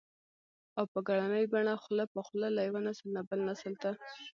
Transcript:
او په ګړنۍ بڼه خوله په خوله له يوه نسل نه بل نسل ته